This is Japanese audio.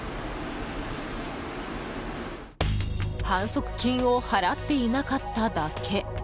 反則金を払っていなかっただけ。